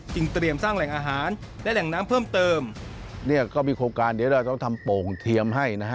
จึงเตรียมสร้างแหล่งอาหารและแหล่งน้ำเพิ่มเติม